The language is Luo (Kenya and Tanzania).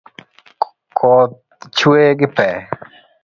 Koth chwe gi pee.